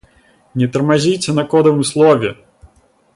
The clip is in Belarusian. Не тармазіце на кодавым слове!